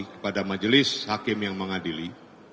kepada majelis hakim yang mengadili